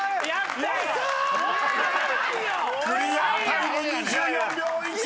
［クリアタイム２４秒１７！］